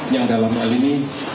yang dalam hal ini